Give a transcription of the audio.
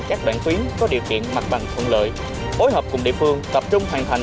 các đoạn tuyến có điều kiện mặt bằng thuận lợi phối hợp cùng địa phương tập trung hoàn thành